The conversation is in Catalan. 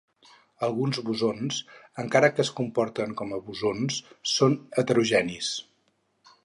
Alguns bosons, encara que es comporten com a bosons, són heterogenis